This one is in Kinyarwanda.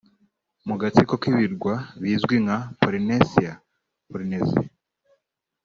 mu gatsiko k’ibirwa bizwi nka Polinesia/Polinesie